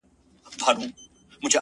ځكه د كلي مشر ژوند د خواركي ورانوي”